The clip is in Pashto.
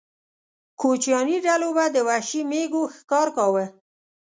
کوچیاني ډلو به د وحشي مېږو ښکار کاوه.